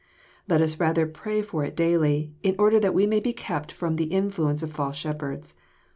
Let us rather pray for it daily, in order that we may be kept from the influence of false shepherds.